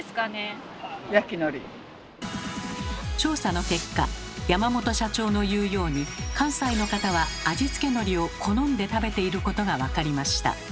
調査の結果山本社長の言うように関西の方は味付けのりを好んで食べていることが分かりました。